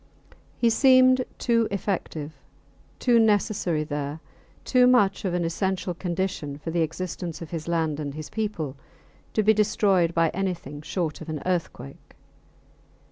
He seemed too effective, too necessary there, too much of an essential condition for the existence of his land and his people, to be destroyed by anything short of an earthquake.